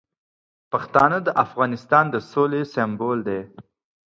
پښتانه د افغانستان د سولې سمبول دي.